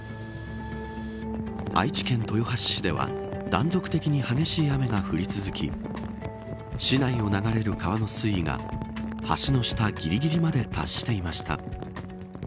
愛知県豊橋市では断続的に激しい雨が降り続き市内を流れる川の水位が橋の下ぎりぎりまで達していました。